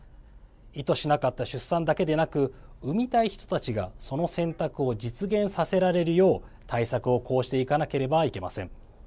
意図しなかった出産だけでなく産みたい人たちがその選択を実現させられるよう対策を講じていかなければいけません。